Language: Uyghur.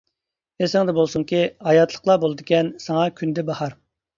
ئېسىڭدە بولسۇنكى ھاياتلىقلا بولىدىكەن ساڭا كۈندە باھار!